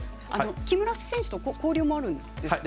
木村選手と交流もあるんですね。